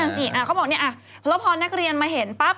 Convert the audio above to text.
สิเขาบอกเนี่ยแล้วพอนักเรียนมาเห็นปั๊บ